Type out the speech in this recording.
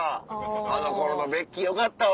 あの頃のベッキーよかったわ！